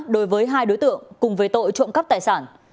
đối với hai đối tượng cùng với tội trộm cắp tài sản